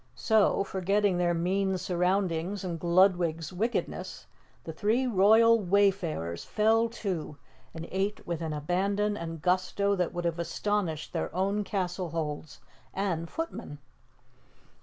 So, forgetting their mean surroundings and Gludwig's wickedness, the three Royal Wayfarers fell to and ate with an abandon and gusto that would have astonished their own castle holds and footmen.